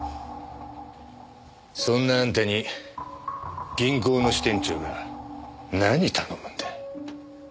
そんなあんたに銀行の支店長が何頼むんだ？